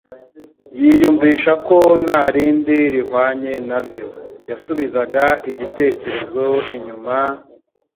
yiyumvisha ko nta rindi rihwanye nalyo. Yasubizaga igitekerezo inyuma,